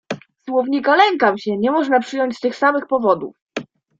"Słownika lękam się, nie można przyjąć z tych samych powodów."